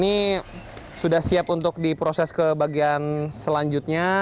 ini sudah siap untuk diproses ke bagian selanjutnya